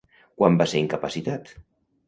Quan va ser incapacitat?